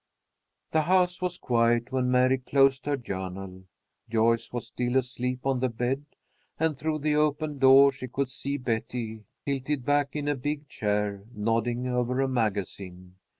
The house was quiet when Mary closed her journal. Joyce was still asleep on the bed, and through the open door she could see Betty, tilted back in a big chair, nodding over a magazine.